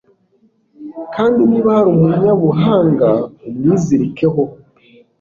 kandi niba hari umunyabuhanga, umwizirikeho